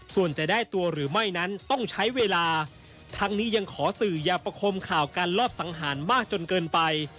ส่วนจะได้ตัวหรือไม่นั้นต้องใช้เวลาทั้งนี้ยังขอสื่ออย่าประคมข่าวการลอบสังหารมากจนเกินไป